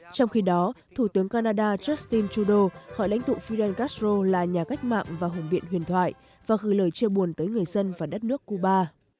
trong khi đó thủ tướng canada justin trudeau khỏi lãnh tụ fidel castro là nhà cách mạng và hùng biện huyền thoại và gửi lời chia buồn tới người dân và đất nước cuba